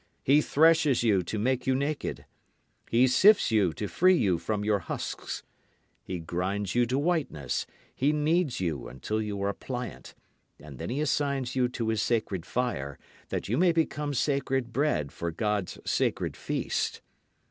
He threshes you to make you naked. He sifts you to free you from your husks. He grinds you to whiteness. He kneads you until you are pliant; And then he assigns you to his sacred fire, that you may become sacred bread for God's sacred feast.